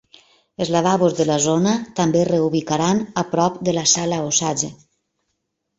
Els lavabos de la zona també es reubicaran a prop de la sala Osage.